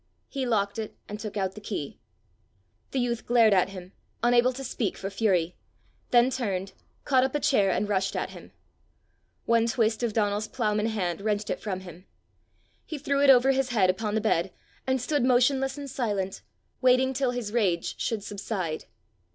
He locked it, and took out the key. The youth glared at him, unable to speak for fury, then turned, caught up a chair, and rushed at him. One twist of Donal's ploughman hand wrenched it from him. He threw it over his head upon the bed, and stood motionless and silent, waiting till his rage should subside.